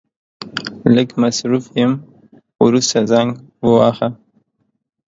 لږ مصرف يم ورسته زنګ وواهه.